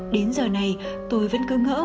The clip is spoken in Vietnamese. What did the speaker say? đến giờ này tôi vẫn cứ ngỡ